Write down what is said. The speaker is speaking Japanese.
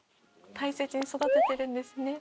「大切に育ててるんですね」